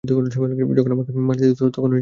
যখন আমাকে মারে তখন দেখতে ভালোই লাগে।